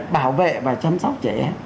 bảo vệ và chăm sóc trẻ em